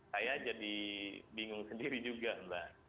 saya jadi bingung sendiri juga mbak